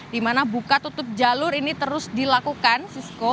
di mana buka tutup jalur ini terus dilakukan